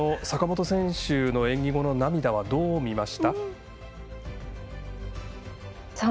坂本選手の演技後の涙はどう見ました？